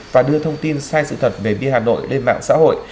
và đưa thông tin sai sự thật về bi hà nội lên mạng xã hội